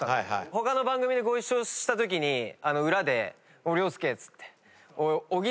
他の番組でご一緒したときに裏で「おい涼介」っつって。